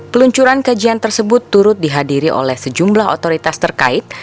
peluncuran kajian tersebut turut dihadiri oleh sejumlah otoritas terkait